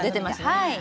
はい！